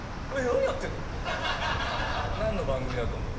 何の番組だと思う？